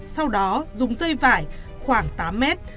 sau đó dùng dây vải khoảng tám mét